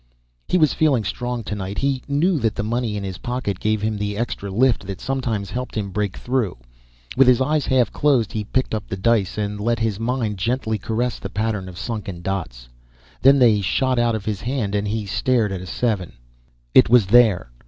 _ He was feeling strong tonight, he knew that the money in his pocket gave him the extra lift that sometimes helped him break through. With his eyes half closed he picked up the dice and let his mind gently caress the pattern of sunken dots. Then they shot out of his hand and he stared at a seven. It was there.